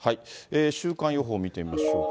週間予報見てみましょうか。